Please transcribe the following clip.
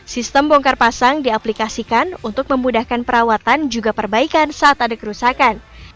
sistem bongkar pasang diaplikasikan untuk memudahkan perawatan juga perbaikan saat ada kerusakan